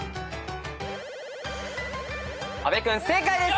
阿部君正解です。